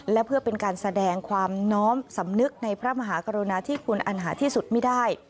และเพื่อเป็นการแสดงความน้อมสำนึกในพระมหากรุณาที่คุณอันหาที่สุดไม่ได้